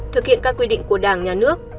thực hiện các quy định của đảng nhà nước